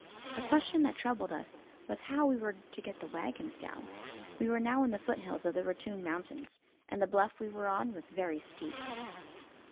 The question that troubled us was how we were to get the wagons down. We were now in the foothills of the Rattoon Mountains, and the bluff we were on was very steep.